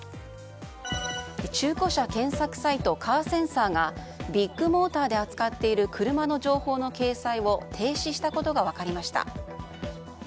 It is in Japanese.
中古車検索サイトカーセンサーがビッグモーターで扱っている車の情報の掲載を停止したことが分かりました。